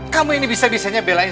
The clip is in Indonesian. kamu ini bisa biasanya belain